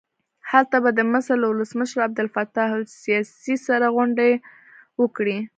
هلته به د مصر له ولسمشر عبدالفتاح السیسي سره غونډه وکړي.